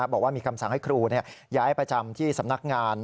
บอกว่ามีคำสั่งให้ครูย้ายประจำที่สำนักงาน